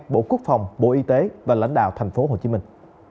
bộ quốc phòng bộ y tế và lãnh đạo thành phố hồ chí minh